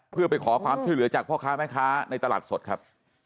เพื่อไปขอความช่วยเหลือจากพ่อค้าแม่ค้าในตลาดสดครับ